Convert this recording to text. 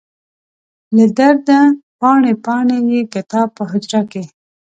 له درده پاڼې، پاڼې یې کتاب په حجره کې